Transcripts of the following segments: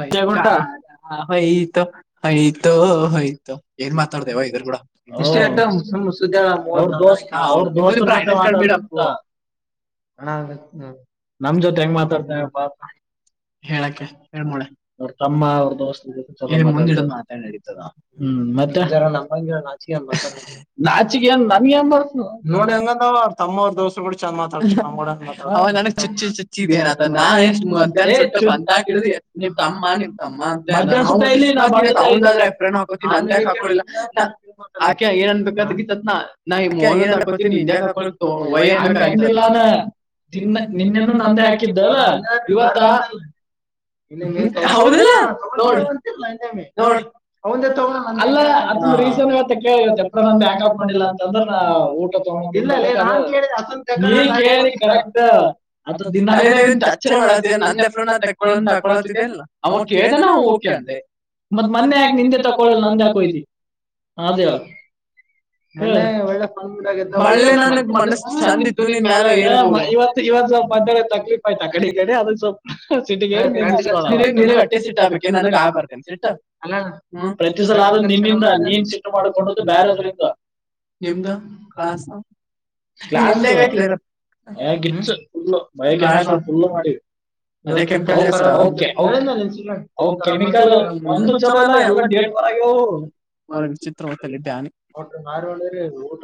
ಪಂಚೆ ಕುಂಟಾ ಹ ಹಯ್ತ ಹಯ್ತ ಹಯ್ತು ಏನ್ ಮಾತಾಡ್ತೇವ ಇದ್ರ ಕೂಡ ಹ್ಮ ಸ ಬಿಡ [unintelligible] ಹ ನಮ್ ಜೊತೆ ಹೆಂಗ್ ಮಾತಾಡ್ತಪ್ಪ ಹೇಳಕ್ಕೆ ಹ್ಮೋಳೆ ಅವ್ರ ತಮ್ಮ ಅವ್ರ ದೋಸ್ ಇ ಮುಂದಿಡ್ ಮಾತಾಡತದ ಗೆ ನಾಚಿಕ [unintelligible] ನಾಚಿಕ ನನಗೆಂಗ್ ಬಂತು ನೋಡ ಹೆಂಗದ್ವ ಅವ್ ತಮ್ಮ್್ರ ದೋಸರು ಕೂ ಚಂದ ಮಾತಡ್ತ ನ್ಡ ಅವ ನನಗ್ ಚುಚ್ಚಿ ಚುಚ್ಚಿ ಇದ ಏನತ ನಾ ಎಷ್ಟ್ ಮಧ್ಯಾಹ್ನ ಸುಟ್ಟು ಬಂದಾಗ ಹಡ ನಿಮ್ ತಮ್ಮ ನಿಮ್ ತಮ್ಮ ಅಂತ ತಗಂದ ಆದ್ರೆ ಫ್ರೆಂಡ್ ಹಾಕೋತಿನಿಂದೇ ಹಾಕೋಡಿಲ್ಲ ಆಕೆ ಏನ್ನ್ಬೇಕಾದ ಗತ್ತತ್ನ ನ್ ಮೋಹನ್ ಒಂದ್ ಹಾಕೋತನಿ ನಿಂದ್ಯಾ ಹಾಕೋಯ ತಿ ಹಂಗಂದಿಲ್ ನಾನು ತಿನ್ನ ಇನ್ನೇನ್ನು ನಂದೆ ಹಾಕಿದ್ದಲ್ಲ ಇವತ್ತ ಹೌದಿಲ್ಲ ನೋಡು ನೋಡು ಅವಂದೇ ತೋಲ್ಲ ಅದ ರೀಸನ್ ಇವ ಕೇಳಿತ್ತೆ ಎಪ್ರ ನಮ ಯಾಕ ಹಾಕೊಂಡಿಲ್ಲ ಅಂತ ಊಟ ತಗ ನೀ ಕೇಳಿ ಕರೆಕ್ಟ್ ಅ ದಿನ ಇವನ್ ತಚ್ಚ ಮಾಡತ ನನ್ಪ್ರನ ತಕ್ಕೊಂತ ತಕಳತಿದ ಅ ಅವ ಕೇಳ್ದನ ಓಕೆ ಅಂತೆ ಮತ್ ಮೊನ್ನೆ ಯಾಕ ನಿಂದೆ ತಕೊಳಲ್ ನಂದ್ಯಾಾಕೊಯ್ದಿ ಅದೇ ಅವು ಒಳ್ಳೆ ನನಗ್ ಮನಸ್ಸ ಚೆಂದ ಇತ್ತು ನಿನ್ ಮೇಾಲವವ ಮೆ ತಕ್ೀಫ ಆಯ್ತ ಕಡೆ ಅದದು ಸ್ವಲ್ಪ ಗಟ್ಟಿ ಸಿಟ್ಟ ಹಾ ನನಗ್ ಆಗ್ಬರ್ ಸಿ ಅ ಪ್ರತಿ ಸಲ ನಿಿಂದ ನೀನ್ ಸಿ್ಟ ಮಾಡಕೊಂಡ ಬೇರೆದಿಂದ ನಿಮ್ದ ಕ್ಲ ಗ ಸ ುಲ್ಲು ಮ ಫುಲ್ಲು ಮಾಡ ಅದ ಕೆಮಿಕಲ್ ಒಂದು ಚಲೋ ಇಲ್ಲ ಎಲ್ಲ ಡೇಟ್ ಬರಗ ಚ ಅವ್ರ ಮಾರ ಒಳ್ಳ ಊಟ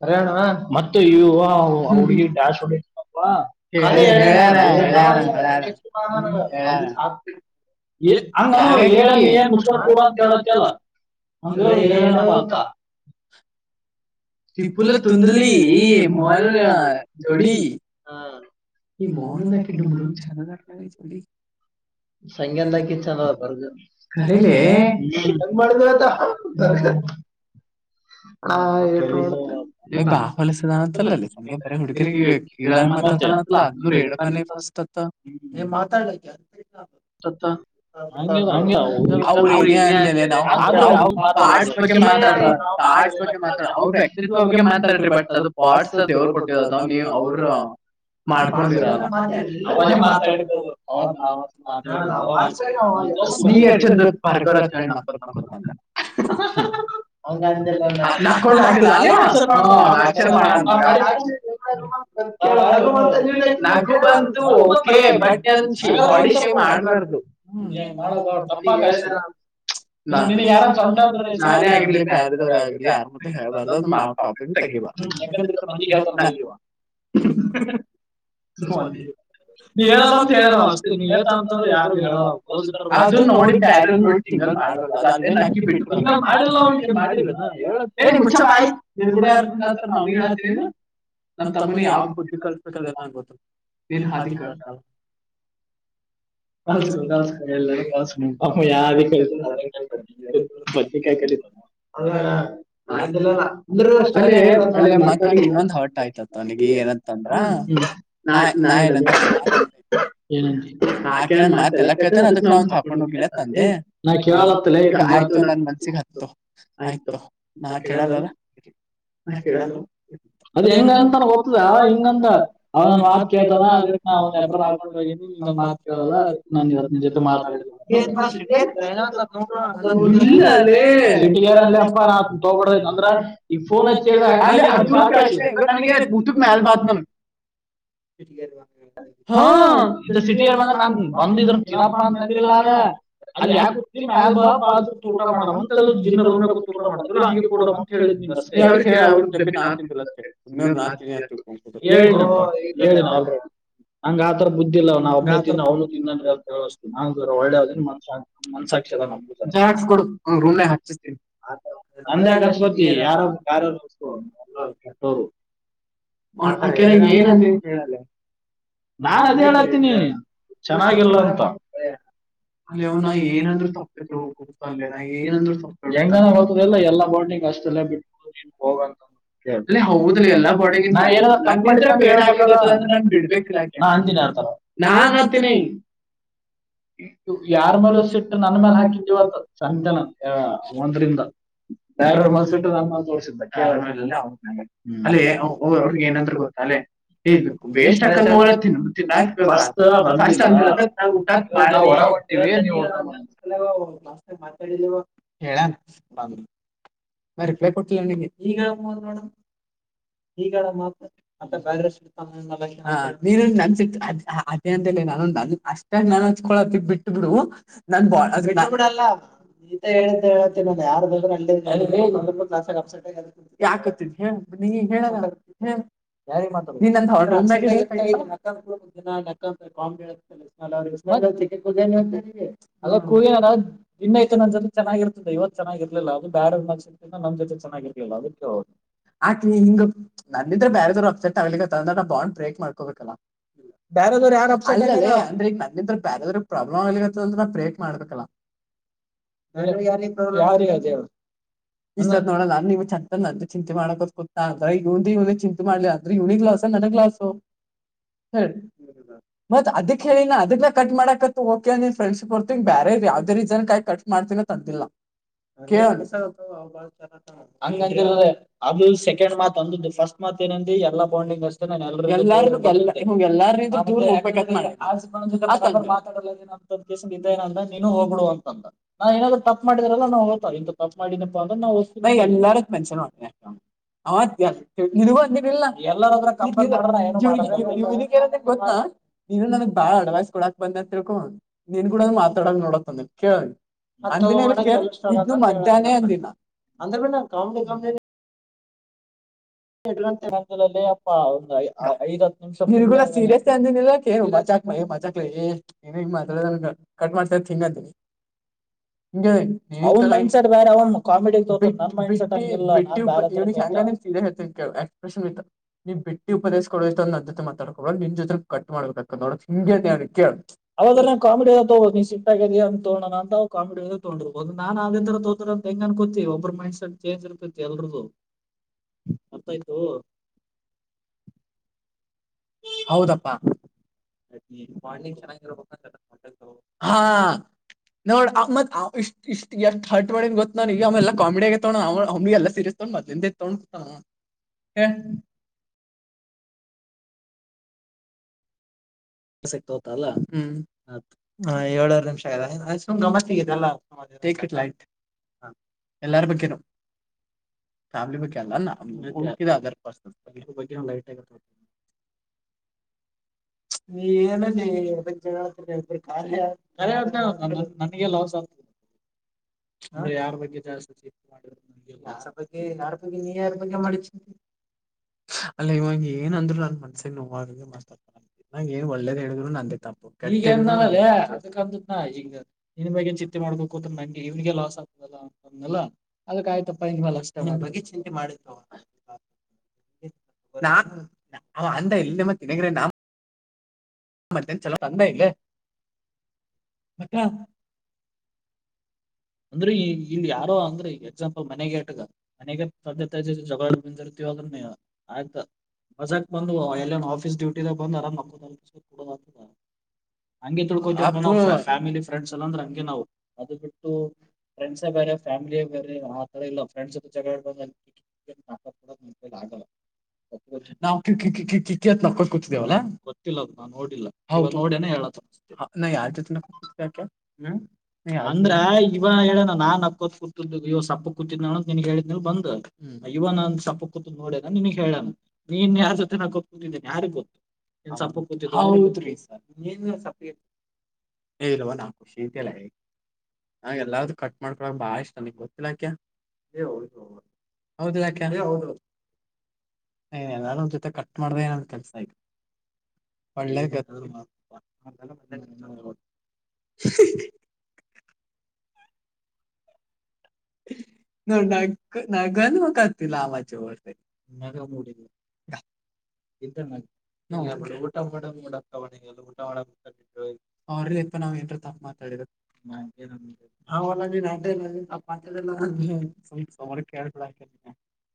ಕರಣ ಮತ್ತೆ ಇ ಿ [inaudible] ಂಗ ಹೇಳ ಏನ್ ಮುಪೂಡ ಅಂತ ಹೇಳತ್ತಲ್ಲ ಹಂಗಳ ಏನತ ಟಿಪ್ಪುಲ್ಲ ತುಂದಲಿ ಈ ಮೊಬೈಲು ಯ ಜೋಡಿಡಿ ಹ್ಮ ಈ ಮನದಾಕಿ ುಂಬಡ ಚದದಲಗಾಗಿ ಚೊಳ್ಳಿ ಸಂಂದಾಕಿ ಚಂದ ಬರ್ಗೀ ಮಾಡ [inaudible] ಹ ಬಾ ಹೊಲಸದಾಣತ್ತಲ್ಲಲ್ಲಿ ಸಂಗೆ ಬರ ಹುಡುಗಿರಿಗೆ ಕೀಳ ಚಲ್ಲ ಅೂ ರೇಡಕಾನ ಫಸ್ಟ್ ಅ ಮಾತಾಡ ಅತ್ತ ಸ್ ಬಗ್ಗೆ ಮಾತಾಡ ಅವ್ರ ವ್ಯಕ್ತಿತ್ವ ಬಗ್ಗೆ ಮಾತಾಡ್ರಿ ಬಟ್ ಅದು ಪಾರ್ಟ್ಸ್ ಅದು ಯವ್ರು ಕೊಟ್ಟಿದ ಅದ ನೀ ಅವ್ರ ಮಾಡ್ಕೊಂಡಿರ ನೀ ಎ ಚಂದ ಬರ್ಗೋಂತ ಹೇಳಿ ನಕ ನ ಹಂಗಂದ ನಾಕೊಂಡಿಲ್ಲ ಅ ಮಾಡ ನಗು ಬಂತಂತು ಓಕೆ ಬಟ್ ನ ಬಡಿ ಶೆಪ ಆಬಾರ್ದು ಹ್ಮ ಮಾಡ ನಾ ಯಾರಂಟ ಅಂದ್ರ ನೇ ಆಗರ್ಲಿ ಪ್ಯಾರದವರು ಆಗರ್ಲಿ ಯಾರ ಮತ್ರ ಹೇಳ್ಬಾರ್ದ ಅ ನಾವ ಟಾಪಿ ತೆಗೀಿ ಹ್ಮಏಕಂದ್ರಿತ ಮಂಜಿ ಹತ ಹದ ನೀವ ಹೇಳ ಮತ್ತ ಹೇಳನ ಅಷ್ಟೇ ನೀ ಹೇಳ್ತ ಯಾರು ಹೇಳೋ್ೋ ನೋಡಿ ಬಡ್ಯರೆ ನೋಡಿ ತಿಂಗಲ್ ಮಾಡ್ಬಾರ್ದ ಅಲ್ಲಿೇ ಅಕ್ಕಿ ಬಿಟ್ಟ ಮಾಡಿವವ ಹೇಳ ಹೇಳಿ ಮು ಆಯ್ತ್ ನಿ ಗಡಾರ ಹ ನಾ್ ನೀನ್ ಹಾತೀವಿ ನಮ ತಮ್ಮನ ಯಾವ ಬುದ್ಧಿ ಕಳಿಸಬೇಕದನ ಗೊದು ನೀನ್ ಹಾದಿ ಕತಲ್ಲ ಕಳ್ಸ ಕಳ್ಸ್ಕಿ ಎಲ್ಲಾರು ಕಳ್ಸ್ಕ ಯಾವ ಕ ಬದಾಯ ಹ ಅ ನಾಲ್ಲಂದ ಮಾ ಹ್ಮ ನಾ ನಾ ಹೇಳದು ಏ ನನ್ ಮಾತ ಎಲ್ಲ ಕೇಳ್ತಾನೆ ಅದಕ್ ನಾ ಒಂದ ಹಾಕೊಂಡ್ ಹೋಗಿನ ತಂದೆ ಈಗ ಆಯತು ನನ್ ಮನ್ಸಗ್ ಹತ್ತು ಆಯ್ತು ನಾ ಕೇಳಲ್ಲದ ಹಾ ಕೇಳಲ್ಲ ಅದ ಹೆಂಗ ಅಂತ ಗೊತದ ಅವ್ೊಂದ ಮಾತತ್ ಕೇತವಾನ ಅದಕ್ ನ ಅವ್ನ್ ಎಪರು ಹಾಕೊಂಡು ಹೋಗನ ನಿಮ್ೊಂದ್ ಮಾತ ೊ ಮಾತಾಲ್ಲ ಅ ಗಾರ ಅ ತಬಡಬೇಕ ಬ ಹ ಸಟ ನನ್ ಬಂದಿದ್ರು ತಿನಪ್ಪಾ ಅಂತ ಅಂದಿಲ್ಲ ಅರ. ಅಲ್ಲಿ ಯಾಕ್ ಮ್ಯಲ್ ಬಾ ಅ ತ ಊಟ ಮಾಡವ ಅಂತ ದಿನ ರೂಮ ಕುತುಟ ಮಾಡುದಿಲ್ಲ ಹಂಗೆ ಕುಡಮ ಅಂತ ಹೇಳಿನಿ. ನಿಂಬ್ ಅಷ್ಟೇ, ಅವ್ರಗ್ ಹೇಳ ಅವ್ರ್ ಡಬ್ಬಿ ನಾ ತುಮ್ತಾ [unintelligible] ಸುಮ್ಮನೆರು ನಾ ಹೇಳಿ ನ ಹೇಳನಿ ಆಲ್ರೆಡಿ ನಂಗ್ ಆತರ ಬುದಿಲ್ಲ ನಾ ಒಬ್ನೇ ದಿನ್ ಅವ್ನು ತಿನ್ನಲ್ಲ ಇವತ್ತು ನಾನು ಒಳ್ಳೆನ್ ಮನ್ಸ ಮನ್ಸ ಜಾಡ್ಸ್ ಕೊಡು. ಹುಣ್ಣೆ ಹಚ್ಚುಸ್ತಿನ್. ಅನ್ಯದ್ ಅಷ್ಟ್ ಓದ್ತಿ ಬ್ಯಾಡ್ ಬ್ಯಾಡ್ ಅಂತ ಒಪ್ಕೋ [unintelligible] ಆಕ್ಯಾರ ಏನ್ ಅಂದಿನಿ ಹೇಳಲೆ ನನ್ ಅದೆ ಹೇಳತಿನ್ನಲಾ. ಚೆನ್ನಾಗಿಲ್ ಅಂತ. ಅಲ್ಲಿ ಅವ್ನ ಏನಂದ್ರೂ ತಪ್ಪ [unintelligible] ಏನಂದ್ರು ತಪ್ಪ, ಹೆಂಗಲ್ಲ ಬತದಲ್ಲ ಎಲ್ಲಾ ಬೊಂಡಿಂಗ್. ಅಷ್ಟೆಲ್ಲ ಬಿಡ್ಬ [unintelligible] ಹೋಗಂತ. ಲೆ ಹೌದ್ಲೆ ಎಲ್ಲ ಬೊಡಿಗಿನ್, ನ ಏನಾರ ತಪ್ ಮಾಡಿದ್ರೆ ಕೇಳ್ಬೇಕಲ್ಲ, ನ ಅಂದಿನ. ಹತರೋ ತಿನೈ ಇತ್ತು ಯಾರ್ ಮೇಲೊ ಸಿಟ್ಟು ನನ್ ಮ್ಯಾಲ್ ಹಾಕಿದ್ಯೋತ್, ಸಂಜನ ಒಂದ್ರಿಂದ. ಬ್ಯಾರೆವ್ರ್ ಮೆಲ್ ಸಿಟ್ಟು ನನ್ ಮೆಲ್ ತೋರ್ಸಿದ್ದ ಕೇಳತ್ತ್, ಮೇಲೆ ಅಲ್ಲಿ ಅವ್ ಅವ್ರಿಗೆ ಏನಂದ್ರು ಗೊ ಅಲ್ಲೇ ಇದ್ ವೇಷ್ಟ ಹಕನ್ ಓವರ್ ತಿನ್ನು ಫಸ್ ಫಾಸ್ಟ್ [unintelligible] ನಾವ್ ಇಗ ಹೊರಗ್ ಹೊಂಟಿವಿ [unintelligible] ಮತಾಡಿಲ್ಲಿವ ಹೇಳನ್ ಬಮಿ. ಮ ರಿಪ್ಲೈ ಕೊಟ್ಟಿಲ್ಲ ನೆನೆ, ಈಗ್ ಹೇಳಮ್ಮ ನೋಡಣ. ಈಗ ಹೇಳಮ್ಮ ಮತ್ತ್ [unintelligible] ಅ ನೀನು ನಾನ್ ಸಿಟ್ಟು ಅದ್ ಅ ಅ. ಏನಂದೆಲೆ ನಾನು ನಾನ್ ಫಸ್ಟ್ ಟೈಂ ನಾನ್ ಹಚ್ಕೊಳಕಿ ಬಿಟ್ಟ ಬಿಡು ನನ್ ಬೊ, ಬಿಟ್ಟು ಬಿಡಲ್ಲ. ಈತಾ ಹೇಳಿದ್ದ ಹೇಳಾ ಕತಿಲ್ಲ, ಯಾರ್ ಬೇಕಾದ್ರು [unintelligible] ಕ್ಲಾಸ್ಸಗ ಆಬ್ಸೆಂಟ್ ಆಗ್ಯಾರ, ಯಾಕ್ ಅತಿದ್ಯ. ನೀ ಹೇಳಯ ಹೇ ಯಾರಿಗ್ ಮಾತಾದು ನಿಂ ನಂದ್ ರೂಮ್ಮಟ್ ಇದ್ಯಾ [unintelligible] [unintelligible] ಅಲ್ಲ ಕುಯಣ ಇನ್ನ ಐತ್ ನನ್ನ ಜೊತೆ ಚೆಗಿರ್ತದೆ ಇವತ್ತ ಚೆನ್ನಾಗಿರ್ಲಿಲ್ಲ ಅದು ಬ್ಯಾರೆ ನಕ್ಷತ್ರಿಂದ ನಮ್ಮ ಜೊತೆ ಚೆನ್ನಾಗಿರ್ಲಿಲ್ಲ ಅದಕ್ಕೆ ಹೊದ್. ಆಕ ಹಿಂಗ ನಂದಿದ್ರೆ ಬೇರೆದ್ರು ಅಪ್ಸೆಟ್ ಆಗ್ಲಿಕ್ಕತ್ತ ಅಂದ ಬೌಂಡ್ ಬ್ರೇಕ್ ಮಾಡ್ಕೋಬೇಕಲ್ಲ. ಬೇರೆದವ್ರ್ ಯಾರ್ ಅಪ್ಸೆಟ್, ಅಲ್ಲ ಲೆ ಅಂದ್ರೆ ಬ್ಯಾರೆವ್ರಿಗ್ ಪ್ರಾಬ್ಲಮ್ ಆಗ್ಲಿಕತದೆ ಅಂದ್ರ ನಾ ಬ್ರೇಕ್ ಮಾಡ್ಬೇಕಲ್ಲಾ. ನಿಮಿಗ್ ಯಾರ್ರಿ ಪ್ರಾಬ್ಲಮ್, ಯಾರಿಗ್ ಅದ್ ಹೇಳು. ಇ ಸತ್ ನೋಡಲ್ಲ ನೀವ್ ಚತ್ತನ್ ಚಿಂತೆ ಮಾಡಕೊ ಕುತ್ತಾ ಅಂದ್ರ ಇವಂದು ಇವ್ನ್ ಚಿಂತೆ ಮಾಡಲಿ ಅತ್ರಿ ಇವ್ನಿಗ್ ಕಸ ನಡಗ್ಲಾಸು ಹೇಳ್. [inaudible] ಮತ್ ಅದಕ್ ಹೇಳಿನಾ ಅದಕ್ ನ ಕಟ್ ಮಾಡಕ ಓಕೆ ನೀ ಫ್ರೆಂಡ್ಶಿಪ್ರ್ತ ಬೇರೆ ಯಾವ್ದೇ ರೀಸನ್ ಕಾಯ್ ಕಟ್ ಮಾಡ್ತಿನ್ ನ ತಂತಿಲ್ಲ. ಕೇಳ್ಣ್ ಅಂಗ್ ಅಂದಿಲ್ಲ ಅದು ಸೆಕೆಂಡ್ ಮಾತ್ ಒಂದು ಫಸ್ಟ್ ಮಾತ್ ಮತ್ ಏನಂದಿ ಎಲ್ಲಾ ಬಾಂಡಿಂಗ್ ಅಷ್ಟೇ ನ ಎಲ್ಲ, ಎಲರ್ನು ಎಲ್ಲ ಹಂಗ್ ಎಲ್ಲರ್ ಮತ್ ದುಡ್ ಲಿಪೆಕಂತ್ ಮಾತಾಡ, [unintelligible] ಏನಂದ ನೀನು ಹೋಗ್ಬಿಡು ಅಂತಂದ. ನಾನ್ ಏನಾದ್ ತಪ್ ಮಾಡಿದ್ರಲ್ಲ ನಾವು ಹೋತ ಇಂತ ತಪ್ ಮಾಡಿದನಪ್ಪ ಅ್ರ ನಾ ಎಲ್ಲಾರಕ್ ಮೆನ್ಷನ್ ಮಾಡಿದ್ ಆಯ್ತಾ. ಅವ್ ಇದ್ ಇದುವ [unintelligible] ಗೊತ್ತಾ ನೀನು ನನ್ಗ್ ಬಾಳ್ ಅಡ್ವೈಸ್ ಕೊಡಕ್ ಬಂದಂತ್ ತಿಳ್ಕೊ, ನೀನ್ ಕೂಡ ಮಾತಡಲ್ ನೋಡೊ ತಂದ್ ಕೇಳಲಿ. ಅಂದಿನ ಏನಕೆ ಇದು ಮಧ್ಯಾಹ್ನ ಅಂದಿಲ್ಲ, ಅಂದ್ರೆ ಬಿ ಕಾಮ್ಗೆ ಕಾಮ್ಗ್ [unintelligible] ಒಂದ್ ಐದ್ ಹತ್ ನಿಮ್ಷ [unintelligible] ಸೀರಿಯಸ್ ಏ ಮಚ್ಚ. ಏ ಮಾಚಾಕ್ಲ ಏ ಏ ಮಾತ ಕಟ್ ಮಾಡ್ತ ಹಿಂಗ್ ಅಂತಿ. [inaudible] ಹಿಂಗೆ ಅವ್ನ್ ಮೈಂಡ್ಸೆಟ್ ಬೇರೆ ಅವ್ನ್ ಕಾಮಿಡಿ ಆಗ್ ತಗೋತಾ ನಾನ್ ಮೈಂಡ್ಸೆಟ್ ಹಂಗಿಲ್ಲ ಬಿಟ್ಟಿ ಬಿಟ್ಟಿ ಅಪ್ ಇವ್ನಿಗ್ ಹೆಂಗ್ ನ ಸೀದಾಹೇಳ್ತೀನಿ. ಎಕ್ಸ್ಪ್ರೆಷನ್ ವಿತ್ ನೀ ಬಿಟ್ಟಿ ಉಪದೇಶ ಕೊಡೊ ಎಷ್ಟೋ ನಾನ್ ಜೊತೆ ಮಾತಾಡಕ್ ಹೋಗ್ಬೇಡ ನಿನ್ ಜೊತ್ರೆ ಕಟ್ ಮಾಡ್ಬೇಕಕತ್ ನೋಡ್. ನಿಗೆಟ್ ಏನ್ ಕೇಳ್, ಅವಾಗ್ರ ನಾ ಕಾಮಿಡಿ ತಗೋದು ನೀ ಸಿಟ್ ಆಗಿದ್ಯಾ ಅಂತ ತೋಗಣನ ಅಂತ ಕಾಮಿಡಿಯಾಗೆ ತೋಗೊಂಡಿರ್ಬೋದು. ನಾನ್ ಅದೇ ತರ ತೋದ್ರ ಅಂತ ಹೆಂಗ್ ಅನ್ಕೋತಿ ಒಬ್ರು ಮೈಂಡ್ಸೆಟ್ ಚೇಂಜ್ ಇರ್ತತಿ ಎಲ್ರುದು. [inaudible] ಅರ್ಥಯ್ತು ಹೌದಪ್ಪಾ ಬೊಂಡಿಂಗ್ ಚೆನ್ನಬೇಕ ಹಹಾ ನೋಡ್ ಮತ್ಷ್ಟ ಇಷ್ಟ ಎಷ್ಟ್ ರ್ಡ್ಟ್ರ್ನ್ ಗೊತ್ತ ನೋ ಈಗೆಲ್ಲ ಕಾಮಿಡಿ ಆಗ ತಗೋ ಅವಮಗೆಲ್ಲ ಸೀರಿಯಸ್ ತೊಂಡ ಮಿಂದ ತೊೊಂಡತ ಹ ಸಿಕ್ತೋತಲ್ಲ ಹ್ಮ ಏಳ್ು ನಿಮಿಷ ಆಯ ಸುಮ್ ಗಮಸ್ತಿಗಲ್ಲ ಹ ಎಲ್ಲಾರ ಬಗ್ಗೆನು ಫ್ಯಾಮಿಲಿ ಬಗ್ ಅಲ್ಲದರ್ ಪರ್ನ್ ಅ ನೀ ಏನಲ್ಲಿಬ ಕಾರ್ಯ ನನ್ಗೆ ಲಾಸ್ ಆಗ್ತದೆ ಹ ಯಾರ ಬಗ್ಗೆ ಜಾಸ್ತಿ ಚಿ ಬಗ್ಗೆ ಯಾರ ಬಗ್ಗೆ ನೀ ಯಾರ ಬಗ್ಗೆ ಮಾಡಿಿ ಅಲ್ಲ ಇವಾಗ ಏನಂದ್ರು ನನ್ ಮನ್ಸ ನ್ನೋವಾಗೆ ಮಾತಾಡ್ತಿ ನಂಗ ಏನ್ ಒಳ್ಳೇದ ಹೇಳಿದ್ರು ನಂದೆ ತಪ್ಪು ಈ ನಿ ಬಗ್ ಚಿತ್ತ ಮಾಡ ಮಾಡ್ಬೇಕ ನಂಗೆ ಇವ್ಗೆ ಲಾಸ್ ಆಗ್ತುದ ಅಂತಲ್ಲ ಅದ ಆಯ್ತಪ್ಪಂತೆ ಮಾಡ ಚಿಂತಿ ಮಾಡ್ ಹ ನಾ ನಅವಅಂದ ಎಲ್ಲಿಮ್ಮ ತಿಿನಗ್ರ ನ ಮತ್ತೇನ್ ಚಲೋ ತಂದ ಇಲ್ಲ ಅಕ್ಕ ಅಂದ್ರೆ ಈ ಇಲ್ಲಿ ಯಾರೋ ಅಂದ್ರೆ ಎಕ್ಸಾಂಪಲ್ ಮನೆಗೆ ಇಟ್ಕ ಮನೆಗೆ ತಂದೆ ತಾಯಿ ಜೊತೆ ಜಗಳ ಆಡಿಬಂಡಿರ್ತೀವಿ ಆಯ್ತ ಮಜಾಕ್ ಬಂದು ಎಲ್ಲೇನ್ ಆಫೀಸ್ ಡ್ಯೂಟಿಾಗ ಬಂದು ಅರಾಮ್ ಮಾಕೋತಾನೆ ಹಂಗೆ ತಿಳ್ಕೋ ಫ್ಯಾಮಿಲಿ ಫ್ರೆಂಡ್ಸ್ ಎಲ್ಲಾಂದ್ರೆ ಹಂಗೆ ನಾವು ಅದು ಬಿಟ್ಟು ಫ್ರೆಂಡ್ಸ ಬೇರೆ ಫ್ಯಾಮಿಲೇ ಬೇರೆ ಆಥರ ಇಲ್ಲ ಫ್ರೆಂಡ್ಸ್ ಜ ಚ ಬ ನಾಟಡ ಮುಾಗಲ್ಲ ನಾವು ಕಿಿ ಕಿಿ ಕಿಕ್ಕಿತ ನಕ್ಕ ಕೂತಿದೇವಲ್ಲಾ ಗೊತ್ತಿಲ್ಲ ಅದು ನಾ್ ನೋಡಿಲ್ಲ ಹೌದು ನೋಡನ ಹೇಳದು ನಾ ಯಾರ ಜ ಅಂದ್ರ ಇವ ಹೇಳನ ನಾನ್ ಅಕ್ಕತ್ ಕೂತ ಇವ ಸಪ್ಪ ಕೂತಿದ್ ನಗ್ ಹೇಳಿದ್ಲ್ ಬಂದ ಇವ ನ ಸಪ ಕೂತ ನೋಡನ ನಿನ್ಗೆ ಹೇಳಣ ನೀನ್ ಯಾರ್ ಜೊತೆ ನ ಗೊತ್ ಕುತಿದ್ದೇನ್ ಯಾರಿಗ ಗೊತ್ತು ಹೌದ್ ರಿ ಸರ್ ಇಲ್ವಾ ನಾ ಖುಷಿ ಲ್ಲ ಹೇಳೇಿ ಹಾಗ ಎಲ್ಲೂ ಕಟ್ ಮಾಡ್ಕೊಳಕ್ ಬಾಳ ಇಷ್ಟ ನಿಂಗ ಗೊತ್ತಿಲ್ಲಾಕೆ ದು ಹೌದು ನ ಅದಾನು ಒಂದ್ ಜೊತೆ ಕಟ್ ಮಾಡ್ದ ಏನಂದು ಕೆಲ್ಸ ಆಯ್ತು ಒಳ್ಳೇದು ಹ್ಮ ಹ ನ ನಗ ನಗಾನ ಮತಿ ಲ ಆಾಮಚ ವರ್ಸ ನಗ ಎಂತ ಮನ್ ಊಟ ಮಾಡಿ ಮೋಡ್ ಅಪ್ ಮಾಡಿ ನಾವ್ ಏನಾರ್ ತಪ್ಪ್ ಮಾತಾಡ್ವ ಹಲ್ಲ ನಾಟಕ ಎಲ್ಲ ಸ್ವಲ್ಪ ಸಮರ ಕೇಳ್ಬಿಡಕ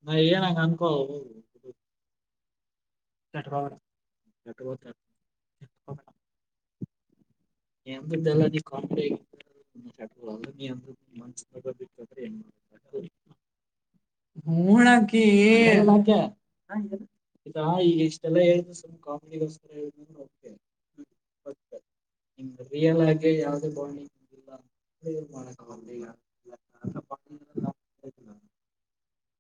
ನ ಏನಂರ ಅನ್ಕೋ ಹ ನೆಟ್ ವಾದಿ ಎ ಅಲ್ಲ ಕಾಮ್ಡಿ ಅ್ರೆಏ ಮನ್ಸ ಮಾಡ ಹೊಣಕ್ಕೆ ಇಾ ಈ ಇಷ್ಟೆಲ್ಲ ಹೇಳ ಸುಮ್ನೆ ಕಾಮಿಡಿ ಹೇಳಿದ್ನ ಹ ರಿಲೇಯ್ಗಿ ಯಾವುದೇ [unintelligible] [inaudible]